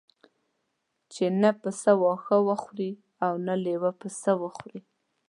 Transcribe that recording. چې نه پسه واښه وخوري او نه لېوه پسه وخوري.